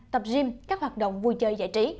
tập gym các hoạt động vui chơi giải trí